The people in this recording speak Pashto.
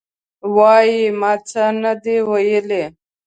وایي: ما څه نه دي ویلي.